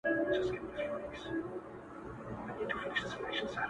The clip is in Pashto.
يو ځل ځان لره بوډۍ كړوپه پر ملا سه٫